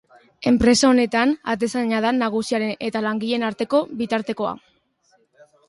Enpresa honetan atezaina da nagusiaren eta langileen arteko bitartekoa.